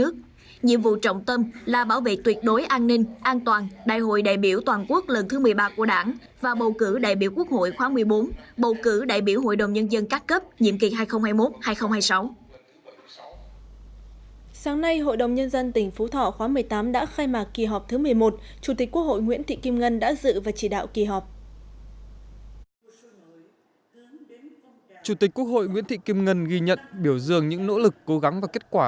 chủ tịch quốc hội nguyễn thị kim ngân ghi nhận biểu dường những nỗ lực cố gắng và kết quả